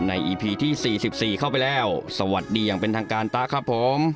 อีพีที่๔๔เข้าไปแล้วสวัสดีอย่างเป็นทางการตะครับผม